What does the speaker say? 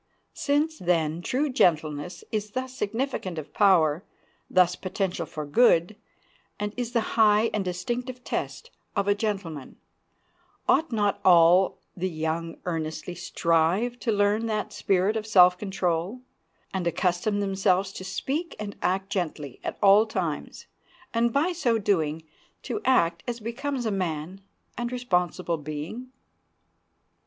Since, then, true gentleness is thus significant of power, thus potential for good, and is the high and distinctive test of a gentleman, ought not all the young earnestly strive to learn that spirit of self control, and accustom themselves to speak and act gently at all times, and, by so doing, to act as becomes a man and responsible being?